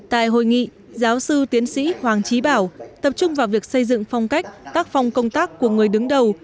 tại hội nghị giáo sư tiến sĩ hoàng trí bảo tập trung vào việc xây dựng phong cách tác phong công tác của người đứng đầu